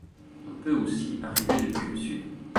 On peut aussi arriver depuis le sud.